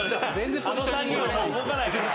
あの３人はもう動かないから。